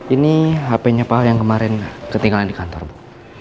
ini hpnya pak al yang kemarin ketinggalan di kantor bu